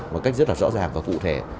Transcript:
một cách rất rõ ràng và cụ thể